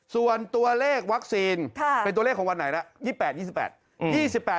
ส่วนตัวเลขวัคซีนเป็นตัวเลขของวันไหนล่ะ